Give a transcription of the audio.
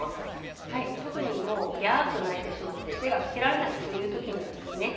はい特にもうギャーッと泣いてしまって手がつけられないという時にはですね